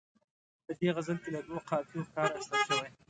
په دې غزل کې له دوو قافیو کار اخیستل شوی.